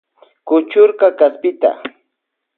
Kuchurka kaspita.